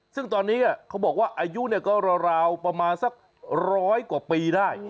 ซึ่งตอนนี้เขาบอกว่าอายุก็ราวประมาณสักร้อยกว่าปีได้